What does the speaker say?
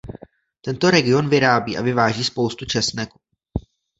Tento region vyrábí a vyváží spoustu česneku.